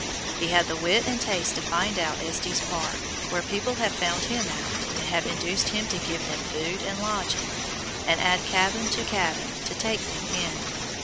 He had the wit and taste to find out Estes Park, where people have found him out, and have induced him to give them food and lodging, and add cabin to cabin to take them in.